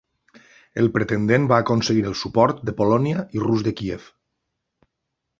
El pretendent va aconseguir el suport de Polònia i Rus de Kíev.